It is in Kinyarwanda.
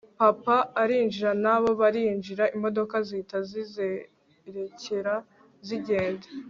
papa arinjira nabo barinjira imodoka zihita zerekera zigenda